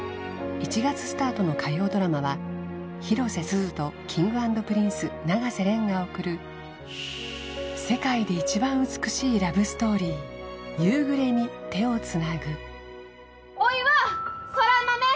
１月スタートの火曜ドラマは広瀬すずとＫｉｎｇ＆Ｐｒｉｎｃｅ永瀬廉が贈る世界で一番美しいラブストーリーおいは空豆！